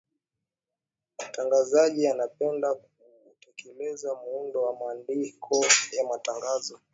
mtangazaji anapenda kutekeleza muundo wa mandiko ya matangazo